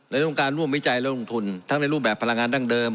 และต้องการร่วมวิจัยและลงทุนทั้งในรูปแบบพลังงานดั้งเดิม